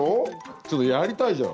ちょっとやりたいじゃん。